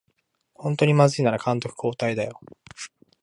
ほんとにまずいなら監督交代だよ